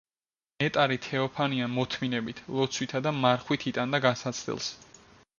ნეტარი თეოფანია მოთმინებით, ლოცვითა და მარხვით იტანდა განსაცდელს.